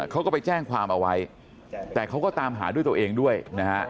เขาก็ไปแจ้งความเอาไว้แต่เขาก็ตามหาด้วยตัวเองด้วยนะฮะ